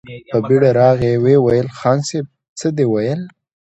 په بېړه راغی، ويې ويل: خان صيب! څه دې ويل؟